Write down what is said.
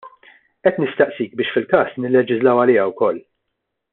Qed nistaqsik biex fil-każ nilleġislaw għaliha wkoll.